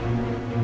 terima kasih ya